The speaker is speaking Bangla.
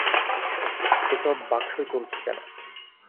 এ-সব বাক্সয় তুলেছ কেন?